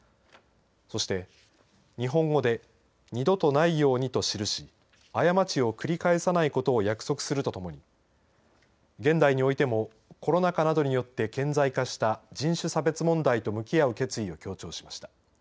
そして日本語で二度とないようにと記し過ちを繰り返さないことを約束するとともに現代においてもコロナ禍などによって顕在化した人種差別問題と向き合う決意を強調しました。